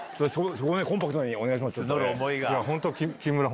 コンパクトにお願いします。